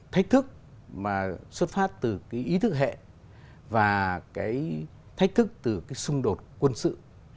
thách thức mà xuất phát từ cái ý thức hệ và cái thách thức từ cái xung đột quân sự